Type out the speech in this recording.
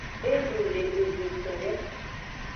Eli le evetolo.